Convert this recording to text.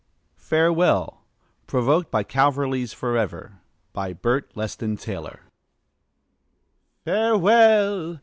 FAREWELL Provoked by Calverley's "Forever" By Bert Leston Taylor "Farewell!"